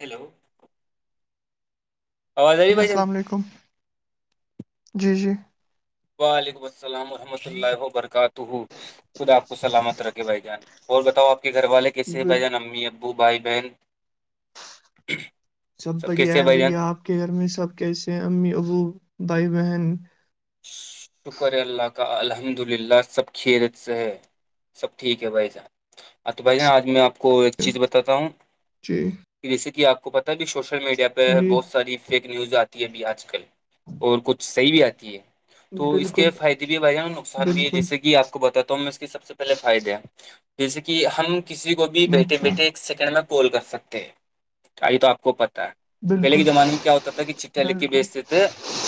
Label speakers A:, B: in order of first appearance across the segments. A: Hello آواز آ رہی ہے
B: جی
A: بھائی جان
B: السلام علیکم جی جی
A: وعلیکم السلام ورحمۃ اللہ وبرکاتہ خود آپ کو سلامت رکھے بھائی جان اور بتاؤ آپ کے گھر والے کسے بہ
B: ب-
A: جان امی ابو بھائی بہن
B: سب بڑھیا
A: کیسے ہیں
B: ہے
A: بھائی جان
B: بھیا آپ کے گھر میں سب کیسے ہیں امی ابو بھائی بہن
A: شکر ہے اللہ کا الحمد للہ سب کیرت سے ہے سب ٹھیک ہے بھائی صاح ہاں تو بھائی جان آج میں آپ کو ایک چیز
B: س-
A: بتاتا ہوں
B: جی
A: جیسے کہ آپ کو پتا ہے بھی سوشل میڈیا پہ
B: جی
A: بہت ساری فیک نیوز آتی ہے ابھی آج کل اور کچھ صحیح بھی آتی ہے تو اس کے
B: بالکل
A: فائدے بھی بھے ہیں اور نقصان بھی ہے
B: بالکل
A: جیسے کہ آپ کو بتاتا ہم اس کے سب سے پہلے فائدے ہیں جیسے کہ ہم کسی کو بھی بیٹھے
B: اچھا
A: بیٹھے ایک سیکنڈ میں پول کر سکتے ہیں چائی تو آپ کو پتا ہے پہلے
B: بالکل
A: کے زمانے میں کیا ہوتا تھا کہ چیا لکھی
B: بالکل
A: بیچتے تھے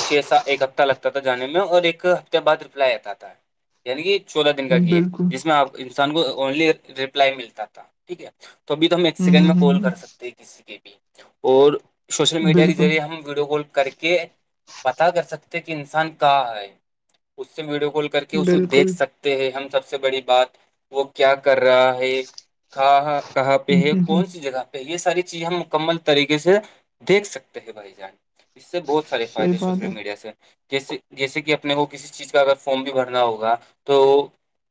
A: چھ س ایک ہفتہ لگتا تھا جانے میں میں اور ایک ہفتے بعد ریپلائی آتا تھا یعنی کہ چودہ دن کا گیف
B: بالکل
A: جس میں آپ کو انسان کو اونلی ریپلائی ملتا تھا ٹھیک ہے تو ابھی تو ہم ایک
B: ہ
A: سیکنڈ میں
B: ہ ہ
A: کال
B: ہ
A: کر سکتے کسی کے بھی اور سوشل میڈیا کے
B: بالکل
A: ذریعے ہم ویڈیو کال کر کے پتا کر سکتے کہ انسان کہاں ہے اس سے ویڈیو کال کر کر کے اس کو دیکھ
B: بالکل
A: سکتے ہیں ہم سب سے بڑی بات وہ کیا کر رہا ہے کہاںاں کہاں پہ
B: ہ
A: ہے
B: ہ ہ
A: کون سی جگہ یہ ساری چیزیں ہم مکمل طریقے سے دیکھ سکتے ہیں بھائی جان اس سے بہت سارے
B: صحیح
A: فائدے
B: بات ہے
A: سوشل میڈیا سے جیسے جیسے کہ اپنے کو کسی چیز کا اگر فارم بھی بھرنا ہوگا تو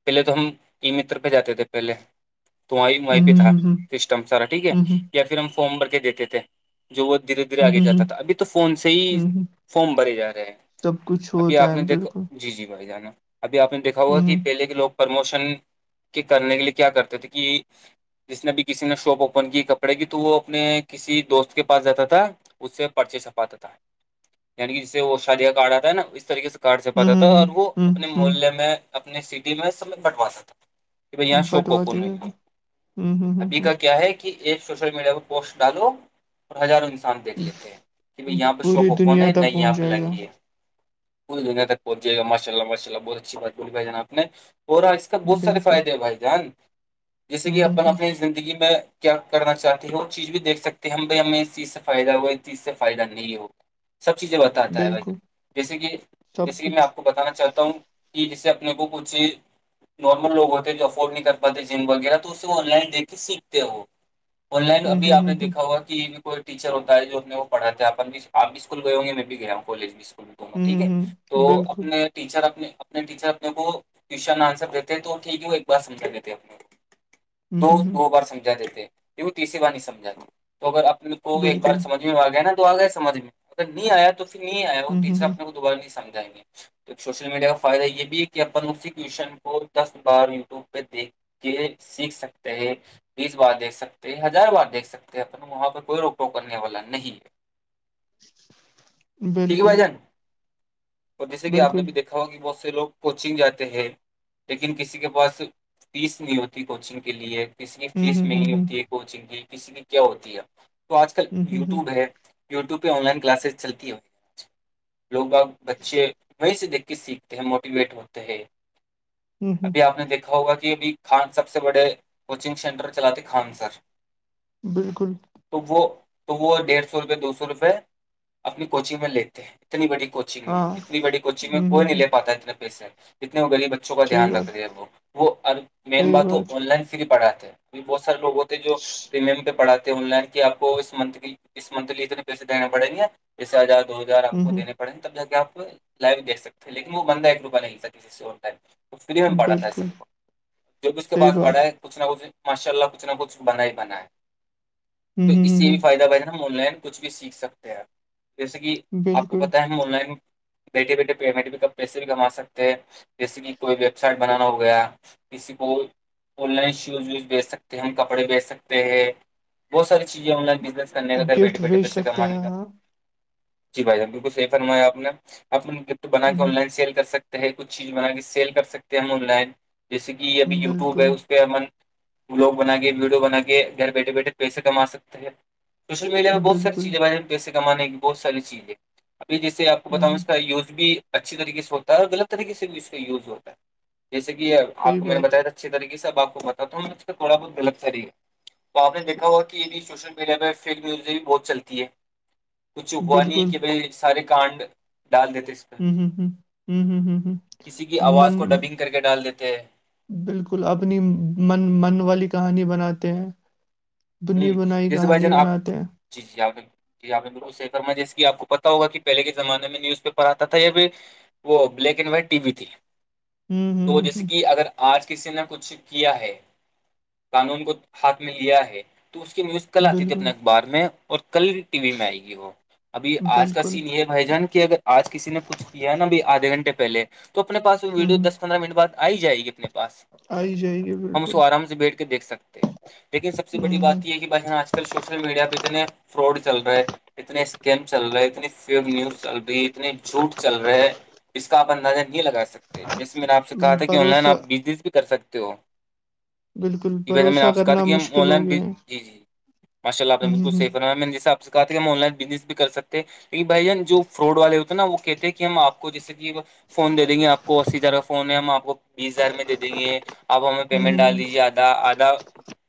A: پہلے تو ہم ای متر پہ جاتے تھے پہلے تو وہیں
B: ہ
A: وہیں پہ تھا
B: ہ ہ
A: سسٹم سارا ٹھیک ہے
B: ہ ہ
A: یا پھر ہم فم بھر کے دیتے تھے جو وہ دھیرے دھیرے
B: ہ
A: آگے
B: ہ
A: جاتا تھا ابھی تو فون سے ہی
B: ہ ہ
A: فارم بھرے جا رہے ہیں
B: سب کچھ
A: ابھی
B: ہوتا
A: آپ
B: ہے
A: نے دیکھا
B: بالکل
A: جی جی بھائی جانا ابھی آپ نے دیکھا ہوگا
B: ہ
A: کہ پہلے کے لوگ پرموشن کے کرنے کے لیے کیا کرتے تھے کہ جس نے بھیھی کسی نے شاپ اوپن کی کپڑے کی تو وہ اپنے کسی دوست کے پاس جاتا تھا اس سے پرچے سپاتتا ہے یعنی جسے وہ شادیہ کاارڈ آتا ہے نا اس طریقے سے کاارڈ
B: ہ
A: چپاتا تھا
B: ہ
A: اور وہ
B: ہ
A: اپنے
B: ہ
A: محے میں اپنے سٹی میں سب بٹوا ساتا بائی یہاں شوپ اوپون
B: بٹواتے
A: ہو
B: رہے
A: ہے
B: ہ ہ ہ
A: ابھی
B: ہ
A: کا کیا ہے کہ کہ ایک سوشل میڈیا پر پوسٹ ڈالو اور ہزاروں انسان تھ دیکھ لیتے ہیں کہ بھائی یہاں پہ شاپ
B: پوری
A: اوپن
B: دنیا
A: ہے
B: تک
A: نہیں یہاں
B: پہنچ
A: پہ
B: جائے گا
A: لگیے کچ دنہ تک پہنچے گاشاء اللہ ماشء اللہ بہت اچھی بات بول بھیجاپ اور اس کا بہت سارے
B: بالکل
A: فائدے ہیں بھائی جان جیسے
B: ہوں
A: کہ
B: ہوں
A: اپن
B: ہوں
A: اپنی زندگی میں کیا کرنا چاہتے ہیں وہ چیز بھی دیکھ سکتے ہیں ہم بائی ہمیں اس چیز سے فائدہ ہوا اس چیز سے فائدہ نہیں ہوا سب چیزیں بتاتا ہے بھ
B: بالکل
A: جیسے کہ
B: سب
A: جیسے کہ میں
B: کچھ
A: آپ کو بتانا چاہتا ہوں کہ جیسے اپنے کو کچھ نارمل لوگ ہوتے جو افورڈ نہیں کر پاتے جم وغیرہ تو اسے آن لائن دے کے سیکھتے ہو آن لائن
B: ہوں
A: ابھی
B: ہوں
A: آپ نے
B: ہوں ہوں
A: دیکھا ہوا کہ کو ٹیچر ہوتا ہے جو ا اپنے وہ پڑھا ہے آ بھی آپ بھی اسکول گئے ہوں گے میں بھی گیا ہوں کالج بھی اسکول میں دونوں ٹھیک
B: ہوں
A: ہے
B: ہوں ہوں
A: تو
B: بالکل
A: اپنے ٹیچر اپنے اپنے ٹیچر اپنے کوشن آنسر دیتے ہیں تو ٹھیک ہے وہ ایک بار سمجھا دیتے اپنے کو [inaudible]
B: ہوں ہوں
A: دو
B: ہوں
A: دو بار سمجھا دیتے یہ وہ تیسری بار نہیں سمجھاتے تو اگر اپنے کو ایک
B: بالکل
A: بار سمجھ گیا نا تو آ گیا سمجھ میں اگر نہیں آیا تو پھر نہیں آیا وہ
B: ہوں ہوں
A: ٹیچر
B: ہوں
A: اپنے کو دوبارہ نہیں سمجھائیں گے تو سوشل میڈیا کا فائدہ یہ بھی ہے کہ اپن اسی کوشن کو دس بار یوٹیوب پہ دیکھ کہ سیکھ سکتے ہیں بیس بار دیکھ سکتے ہزار بار دیکھ سکتے ہیں اپنا وہاں پہ کوئی روک رو کرنے والا نہیں ٹھیک ہے
B: بالکل
A: بھائی جان اور جیسے کہ آپ نے
B: بالکل
A: بھی دیکھا ہوا کہ بہت سے لوگ کوچنگ جاتے ہیں لیکن کسی کے پاس فیس نہیں ہوتی کوچنگ کے لیے کسی کی
B: ہوں
A: فیس
B: ہوں ہوں
A: ملنی
B: ہوں
A: ہوتی ہے کوچنگ کی کسی کی کیا ہوتی ہے تو آج کل
B: ہوں ہوں ہوں
A: یوٹیوب ہے یوٹیوبہ آن لائن کلاز چلتی ہے لوگ بگ بچے وہیں سے دیکھ کے سیکھتے ہیں موٹیویٹ ہوتے ہیں
B: ہوں ہوں
A: ابھی آپ نے دیکھ ہوگا کہ ابھی خان سب سے بڑے کوچنگ سینٹر چلاتے خان سر
B: بالکل
A: تو وہ تو وہ ڈیڑھ سو روپئے دو سو روپئے اپنی کوچنگ میں لیتے ہیں اتنی بڑی کوچنگ میں
B: ہاں
A: اتنی بڑی کوچنگ میں
B: ہوں
A: کوئی
B: ہوں
A: نہیں
B: ہوں
A: لے پاتا اتنے پیسے جتنے ہو گلی بچے بچوں کا
B: صحیح
A: دھیان رکھ
B: بات
A: رہ ہے وہ وہ ا مین بات تو آن لائن سے بھی پڑھاتے ہیں بہت سارےوگ ہوتے جو پریمیم پہ پڑاتے ہیں آن لائن کہ آپ کو اس منتھ اس منتھلی اتنے پیسے دینے پڑیں گے جیسے ہزار دو ہزار آپ
B: ہوں ہوں
A: دینے پڑےا تب جا کے آ لائو دے سکتے ہیں لیکن وہ بندہ ایک روپیہ نہیں سے ٹائم فری میں پڑا تھا
B: بالکل
A: سب کو جب بھی اس کے
B: صحیح
A: پاس
B: بات
A: پڑھا ہے کچھ نہ کچھ ماشاء اللہ کچھ نہ کچھ بنا ہی بنا ہے
B: ہوں
A: تو
B: ہوں
A: اس
B: ہوں
A: سے بھی
B: ہوں
A: فائدہ بہا ہم آن لائن کچھ بھی سیکھ سکتے ہیں جیسے کہ آپ کو
B: بالکل
A: پت ہے آن لائن بیٹھے بیٹھے پیمنٹ بھی ک پیسے بھی کما سکتے ہیں جیسے کہ کوئی ویب سائٹ بنانا ہو گیا کسی کو آن لائن شوز ووز بیچ سکتے ہیں ہم کپڑے بیچ سکتے ہیں بہت ساری چیزیں آن لائن بزنس کر کا گھر بیھے
B: گفٹ
A: بیٹھے
B: بھیج
A: پیسے
B: سکتے ہیں
A: کمانے کا
B: ہاں
A: جی بھائی جان بالکل سی فرمایا آپ نے آپ گف بنا
B: ہوں
A: کے آن لائن سیل کر سکتے ہیں ہے کچھ چیز بنا کے سیل کر سکتے ہیں ہم آن لائن جیسے کہ ابھی
B: ہوں
A: یوٹیوب ہے
B: بالکل
A: اس بلاگ بنا کے ویڈیو بنا کے گھر بیٹھے بیٹھے پیسے کما سکتے ہیں سوشل میڈیا پہ بہت ساری
B: بالکل
A: چیزیں بارے میں پیسے کمانے کی بہت ساری چیز ہے اب جیسے آپ کو
B: ہوں
A: بتاؤں
B: ہوں
A: اس کا یوز بھی اچھی طریقے سے ہوتا ہے اور غلط طریقے سے بھی اس کا یوز ہوتا ہے جیسے کہ آپ
B: صحیح
A: کو میں نے
B: بات
A: بتایا تھا اچھی طریقے سے آپ کو بتا تو ہم نے اس تھوڑا بہت غلط سی ہے تو آپ نے دیکھا ہوا کہ یہنی سوشل میڈیا میں فیک نیوزیں بھی بہت چلتی ہے کچھ وانی
B: بالکل
A: کے ب سارے کانڈ ڈال دیتے پہ
B: ہوں ہوں ہوں ہوں ہوں
A: کسی کی
B: من
A: آواز کو ڈبنگ کر کے ڈال دیتے
B: بالکل اپنی من من والی کہانی بناتے ہیں
A: ہیں
B: بنی بنائی
A: جیسے بھائی
B: کہانی
A: جان آپ
B: بناتے ہیں
A: جی جی آدے جی آپ نے بالکل شیکرما جیسے کہ آپ کو پتا ہوگ کہ پہلے کے زمانے میں نیوز پیپر آتا تھا یا پھر وہ black and white T V تھی
B: ہوں ہوں
A: تو
B: ہوں
A: جیسے کہ اگر آپ آج کسی نے کچھ کیا ہے قانون کو ہاتھ میں لیا ہے تو اس کی نیوز کل
B: ہوں
A: آتی تھی
B: بالکل
A: اپنے اخبار میں اور کل ٹی وی میں آئے گی وہ ابھی آج کا
B: بالکل
A: سین یہ مائیجان کی اگر آج کسی نے کچھ یہ نا اب آدھے گھنٹ پہے تو اپنے پاس
B: ہوں
A: ویڈیو
B: ہوں
A: دس پندرہ منٹ بد آ ہی جائے گی اپنے پاس پاس
B: آئی جائے گی
A: ہم اس
B: بالکل
A: کو آرام سے بیٹھ کے دیکھ سکتے ہیں لیکن سب سے
B: ہوں
A: بڑی بات یہ ہے کہ بھائی آج کل سوشل میڈیا پہ اتنے فراڈ چل رہے ہیں اتنے اسکیم چل رہے اتنی فیب نیوز چل رہی اتنے جھوٹ چل رہے ہے اس کا آپ اندازہ نہیں لگا سکتے جیسے میں نے آپ سے کہا
B: ہوں
A: تھا کہ آن لائن آپ
B: بھروسہ
A: بزنس بھی کر سکتے ہو
B: بالکل
A: بس میں نے
B: بھروسہ
A: آپ سے کہ تھا
B: کرنا
A: کیا ہم آن
B: مشکل ہو
A: لائن جی
B: گیا ہے
A: جی ماشاء اللہپ نے بالکل
B: ہوں ہوں
A: صیف فر ہے میں نے جس آپ سے کہا تھا کہ ہم آن لائن بزنس بھی کر سکتے ہیں لن بھائی جان جو فراڈ والے ہوتے ہیں نا وہ کہتے ہیں کہ ہم آ کو جیسے کہ فون دے د گ آپ کو اسی طرح کا فون ہے ہم آپ کو بیس ہزار میں دے دیں گے آپ ہمیں
B: ہوں ہوں ہوں
A: پیمنٹ
B: ہوں
A: ڈال دیجیے آ آدھا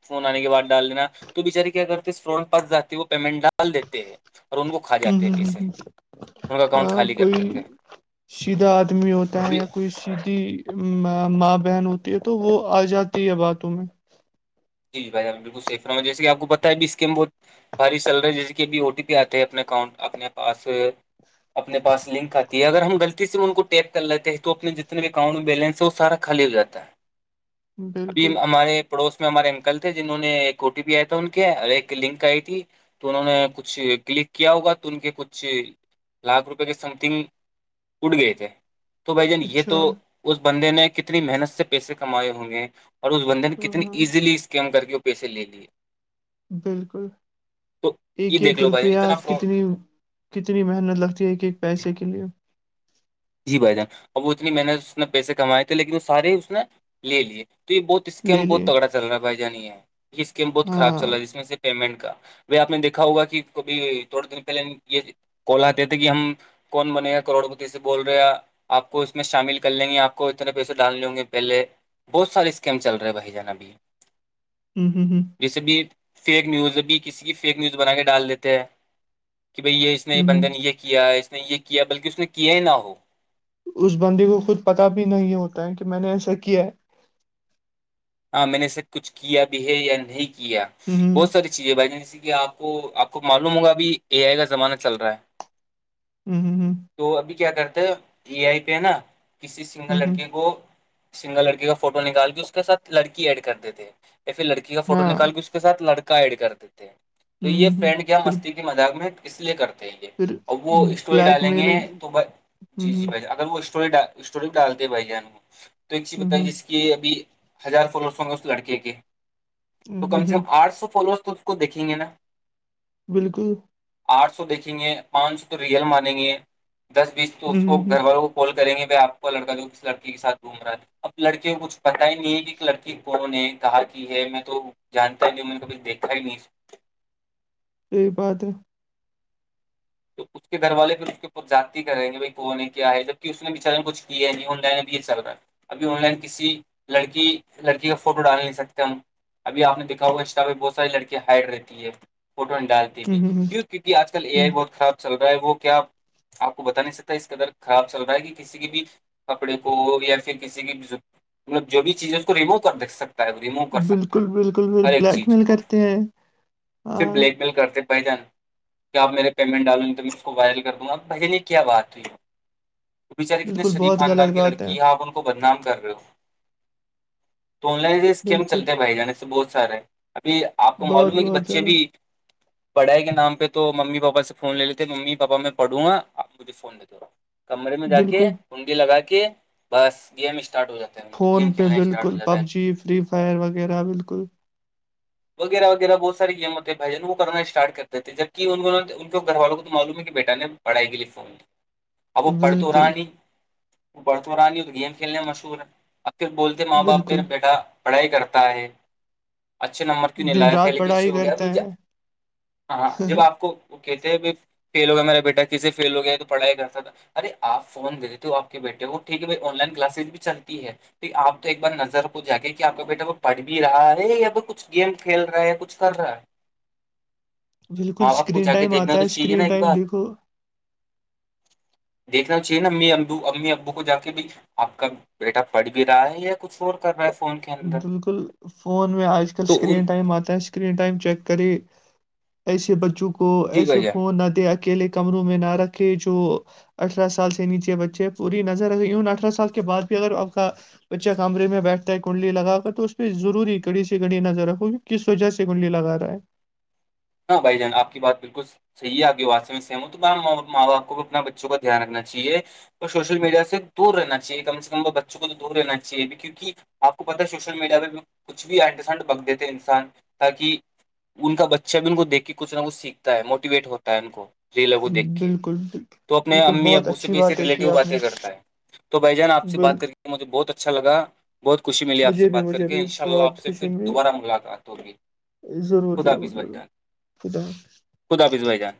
A: فون آنے کے بعد ڈال دینا تو بچارے کیا کرتے فرون پاس جاتے وہ پیمنٹ ڈال دیتے ہیں اور ان کو کھا جاتے ہیں پیسے ان کا اکاؤنٹ
B: ہاں
A: خالی کر
B: کوئی
A: دیتے ہیں
B: سیدھا آدمی ہوتا ہے
A: ابھی
B: یا کوئی سیدھی ماں بہن ہوتی ہے تو وہ آ جاتی ہے باتوں میں
A: جی بائی بالکل سیف رہ ہ جیسے آپ کو پتا ہے بھی اسکم بھاری سل رہی ہے جیسے کہ اب او ٹی پی آتے ہے اپنے اکاؤنٹ اپنے پاس اپنے پا لنک آتی ہے اگر ہم غلط سے ان کو ٹیپ کر لیتے ہیں تو اپنے جتنے بھی اکانٹ میں بیلنس ہے وہ سارا خالی ہو جاتا ہے ابھی
B: بالکل
A: ہمارے پڑوس میں ہمارے کل تھے جنہوں ایک او ٹی پی آیا تھا ان کے اور ایک لنک آئی تھی تو انہوں نے کچھ کلک کیا ہوگا تو ان کے کچھ لاکھ روپئے کے سم تھنگ گے تھ تو بھائی جان یہ
B: اچھا
A: تو اس بندے نے کتنی محنت سے پیسے کمائے ہوں گے اور اس بندن
B: ہاں
A: کتنے
B: ہاں
A: ایزیلی اسکیم کر کے وہ پیسے لے لیے
B: بالکل
A: تو
B: ایک
A: یہ
B: ایک
A: دیکھ لو بھائی
B: روپیہ
A: اتنا فراڈ
B: کتنی کتنی محنت لگتی ہے ایک پیسے کے لیے
A: جی بھائی جان اب وہ اتنی محنت اس نے پیسے کمائے تھے لیکن وہ سارے ہی اس نے لے لیے تو یہ بہت اسکیم
B: لے
A: بہت
B: لیے
A: تگڑا چل رہا ہےھائی جانی یہ اسکیم بہت خراب
B: ہاں
A: چل رہا ہے جس میں سے پیمنٹ کا آپ نے دیکھا ہوگا کہ کبھی تھوڑے دن پہلے یہ کوال آتے تھے کہ ہم کون بنے ہیں کروڑپتی سے بول رہے آپ کو اس میں شامل کر لیں گے آپ کو اتنے پیسے ڈالنے ہوں گے پہلے بہت سارے اسکیم چل رہے بھائی جان اب یہ
B: ہوں ہوں ہوں
A: جیسے بھی فیک نیوز بھی کسی کی فیک نیوز بنا کے ڈال دیتے ہیں کہ بھائی یہ اس نے
B: ہوں ہوں
A: بندھن یہ کیا اس نے یہ کیا بلکہ اس نے کیا ہی نہ ہو
B: اس بندی کو خود پتہ بھی نہیں ہوتا ہے کہ میں نے ایسا کیا ہے
A: ہاں میں نے سے کچھ کیا بھی ہے یا نہیں کیا
B: ہوں
A: بہت ساری چی بھائی ج جیے کہ آپ کو آپ کو معلوم ہوگا اھی اے آئی کا زمانہ چل رہا ہے
B: ہوں ہ
A: تو ابھی کیا کرتے ہیں اے آئی پہ ہے نا کسی سنگل
B: ہوں ہوں
A: لڑکے کو سنگل لڑکی کا فوٹو نکال کے اس کے سھ لڑکی ایڈ کرتےے یا پھر لڑکی کا فوٹو
B: ہاں
A: نکال کے اس کے ساتھ لڑکا ایڈ کرتے تھ ہیں تو
B: ہوں
A: یہ
B: ہوں ہوں
A: فرینڈ کیا
B: پھر
A: مستی کے مذاق میں اس لیے کرتے ہیں یہ
B: پھر
A: اور وہ اسٹوری
B: بلیک
A: ڈالیں گے
B: میل ہوں
A: تو جی جی
B: ہوں
A: بھائی اگر وہ اسٹوری ڈ اسٹوری ڈال د بھائی جان کو تو ایک چیز بتائی
B: ہوں
A: جس کی ابھی ہزار فالوورس ہوں گے اس لڑکے کے
B: ہوں
A: تو
B: ہوں
A: کم سے
B: ہوں.
A: کم آٹھ سو فالورس تو اس کو دیکھیں گے نا
B: بالکل
A: آٹھ سو دیکھیں گے پانچ سو تو ریئل مانیں گے دس بیس تو اس
B: ہوں
A: کو
B: ہوں ہوں
A: گھر والوں کال کریں گے بھائی آپ کا لڑکا جو کس لڑکی کےاتھ گھوم رہا ہے تھا اب لڑکی کو کچھ پتا ہی نہیں ایک لڑکی کووں نے کہا کہ ہے میں تو جانتا ہی نہیں ہوں میں نے کبھی دیکھا ہی نہیں
B: پ پاتر [unintelligible]
A: تو اس کے گھر والے پھر [unintelligible] [unintelligible] ک جاتی کریں گے بائی کون ہے کیا ہے جبک اس نے بھی چرن کچ کیا ہے نہیں ہوا ہے نب یہ چلن ابھی آن لائن کسی لڑکی لڑکی کا فوٹو ڈال نہیں سکتے ہم ابھی آپ دیککھا ہوا اسٹرا پہ بہت ساری لڑکی ہائٹ رہتی ہے فوٹو نہیں ڈال
B: ہوں ہوں ہوں
A: کیوں کیونکہ آج کل اے آئی
B: ہوں
A: بہت خراب چل رہا ہے وہ کیا آپ کو بتا نہیں سکتا اس قدر خراب چل رہا ہے کہ کسی کی بھی کپڑے کو یا پھر کسی کی مطلب جو بھی چیز ہے اس کو ریموو کر دیکھ سکتے ریموو کر سکتا ہے
B: بالکل بالکل پھر
A: ہر ایک
B: بلیک
A: چیز
B: میل
A: کو
B: کرتے ہیں
A: صرف
B: ہاں
A: بلیک میل کرتے بھ جان کیا آپ میرے پیمنٹ ڈالوں گی تو میں اس کو وائل کر دوں گ اپ بہ نے کیا بات ہوئی بچے کتنے
B: بالکل
A: شریف
B: بہت
A: خاندان
B: غلط
A: کی
B: بات ہے
A: لڑی آپ کو بدنام کر رہے ہو تو آن لائن اسکیم
B: بالکل
A: چلتے بھائی جان سے بہت سارے ابھی آپ کو
B: بہت
A: معلوم ہے کہ
B: بہت
A: بچے
B: زیادہ
A: بھی پڑھائی کے نام پہ تو ممی پاپا سے فون لے لیتے ممی پاپا میں پڑھوں گا آپ مھے فون دیتے رہا کمرے میں جا کے
B: بالکل
A: ہنڈی لگا کے بس گیم اسٹارٹ ہو جاتا ہے
B: فون
A: گیم
B: پہ
A: کھیلنا اسٹارٹ
B: بالکل
A: ہو جاتا
B: پب
A: ہے
B: جی فری فائر وغیرہ بالکل
A: وغیرہ وغیرہ بہت سارے گیموں تھ ہیںھائی جن وہ کرنا اسٹارٹ کرتے تھے جب کہ انوں گھر والوں کو تو معلوم ہے کہ بیٹا نے پڑھائی کے لیے فون اب وہ پڑھ تو
B: بالکل
A: رہا نہیں برتانی ہو تو گیم کھیلنے میں مشہور ہے اور پھر بولتے ماں باپ پھر
B: بالکل
A: بیٹا پڑھائی کرتا ہے اچھے نمبر کیوں نہیں
B: دن
A: لایا تھ
B: رات
A: لے کے اس سے
B: پڑھائی
A: ہو
B: کرتے
A: گیا
B: ہیں
A: ہاں ہاں جب آپ کو وہ کہتے ہیں ب فیل ہو گیا میرا بیٹا کسے فیل ہو گیا ہے تو پڑھائی کرتا تھا ارے آپ فون دے دیتے ہو آپ کے بیٹے کو ٹھیک ہے بھائی آن لائن کلاسز بھی چلتی ہے پ آپ تو ایک بار نظر کو جا کے کہ آپ کا بیٹا وہ پڑھ بھی رہا ہے یا پ کچھ گیم کھیل رہے ہیں کچھ رہا [unintelligible] [unintelligible]
B: بالکل
A: ماں باپ کو
B: اسکرین
A: جا کے
B: ٹائم
A: دیکھنا
B: آتا ہے
A: تو چاہیے
B: اسکرین
A: نا ایک
B: ٹائم
A: بار
B: دیکھو
A: [inaudible] [inaudible] دیکھنا چاہیے نا امی ابو امی ابو کو جا کے بھی آپ کا بیٹا پڑھ بھی رہا ہے یا کچ اور کر رہا ہے فون کے اندر
B: بالکل فون میں آج کل
A: تو ان
B: سکرین ائم آتا ہےس اسکرین ٹائم چیک کرے ایسے بچوں کو
A: جی
B: ایسے
A: بھائی جان
B: فون نہ دے اکیلے کمروں میں نہ رکھے جو اٹھارہ سال سے نیچے بچے پوری نظر رکھے اٹھہ سال کے بعد بھی اگر آپ کا بچے کمرے میں بیٹھتا ہے کہ کنڈلی لگا کر تو اس پہ ضروری کڑی سےی کڑی نظر رکھو گی کس وجہ سے کنڈلی لگا رہا ہے
A: ہاں بھائی جان آپ کی بات بالکل صحی ہے آگے واسسی میں سیم ہو تو ماں باپ کو بھی اپنا بچوں کا دھیان رکھنا چاہیے اور سوشل میڈیا سے دور رہنا چاہیے کم سے کم وہ بچوں کو تو دور رہنا چاہیے کیکہ آپ کو پتاہ ہے سوشل میڈیا پہ کچھ بھی اڈ سنٹ بک دیتے انسان تاکہ ان کا بچ شب ان کو دیکھ کے کچ نہ کچھ سیکھتا ہے موٹیویٹ ہوتا ہے ان کو ریلوں کو دیکھ کے
B: بالکل بالکل
A: تو اپنے
B: بالکل
A: امی
B: بہت
A: ابو سے
B: اچھی
A: بھی ایسی
B: بات ہے کی
A: ریلیٹو
B: آپ نے
A: باتیں کرتا ہے تو بھائی جان آپ سے
B: بل
A: بات کر کے مجھے بہت اچھا لگا بہت خوشی ملی آپ سے
B: مجھے بھی
A: بات کر
B: مجھے
A: کے
B: بھی
A: ان شاء اللہ آپ
B: بہت
A: سے
B: خوشی
A: پھر
B: ملی
A: دوبارہ ملاقات ہوگی
B: ضرور ضرور ضرور خدا حافظ
A: خدافظ بائی جان